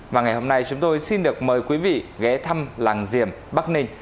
và ngày hôm nay chúng tôi xin được mời quý vị ghé thăm làng diềm bắc ninh